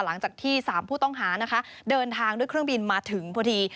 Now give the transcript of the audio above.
หลังจากที่๓ผู้ต้องหานะคะเดินทางด้วยเครื่องบินมาถึงพอดี